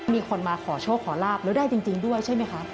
มีคนมาขอโชคขอลาบแล้วได้จริงด้วยใช่ไหมคะ